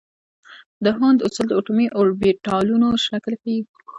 د هوند اصول د اټومي اوربیتالونو شکل ښيي.